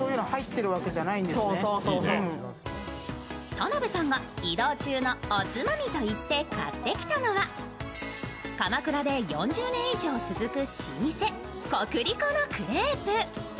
田辺さんが移動中のおつまみと言って買ってきたのは、鎌倉で４０年以上続く老舗、コクリコのクレープ。